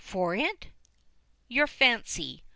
"For it?" "Your fancy."